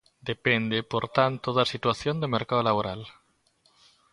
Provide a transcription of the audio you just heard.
Depende por tanto da situación do mercado laboral.